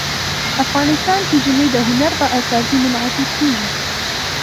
افغانستان کې ژمی د هنر په اثار کې منعکس کېږي.